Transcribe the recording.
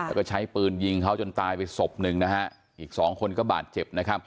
และใช้ปืนยิงเขาจนตายไปสบ๑อีก๒คนก็บาดเจ็บ